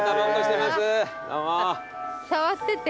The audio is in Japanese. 触って手。